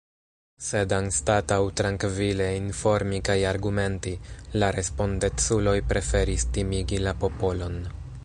Sed anstataŭ trankvile informi kaj argumenti, la respondeculoj preferis timigi la popolon.